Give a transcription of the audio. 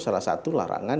salah satu larangan